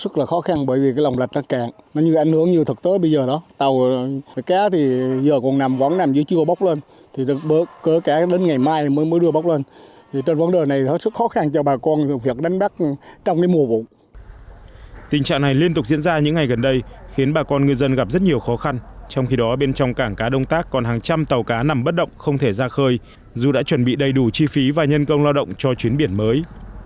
tình trạng này liên tục diễn ra những ngày gần đây khiến bà con ngư dân gặp rất nhiều khó khăn trong khi đó bên trong cảng cá đông tác còn hàng trăm tàu cá nằm bất động không thể ra khơi dù đã chuẩn bị đầy đủ chi phí và nhân công lao động cho chuyến biển mới